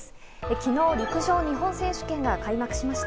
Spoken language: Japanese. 昨日、陸上日本選手権が開幕しました。